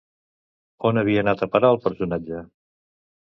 On havia anat a parar el personatge?